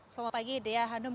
selamat pagi dea hanum